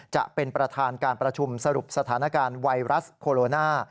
จะเป็นประธานการประชุมสรุปสถานการณ์ไวรัสโคโรนา